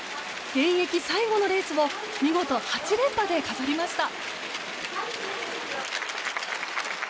現役最後のレースを見事、８連覇で飾りました。